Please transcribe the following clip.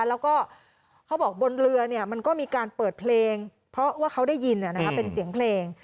แล้วก็เขาบอกบนเรือมันก็มีการเปิดเพลงเพราะว่าเขาได้ยินเป็นเสียงเพลง